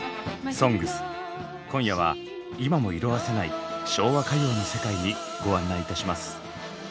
「ＳＯＮＧＳ」今夜は今も色あせない昭和歌謡の世界にご案内いたします。